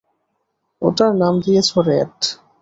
ওটার নাম দিয়েছ রেড।